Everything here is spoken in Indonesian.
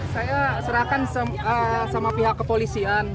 saya serahkan sama pihak kepolisian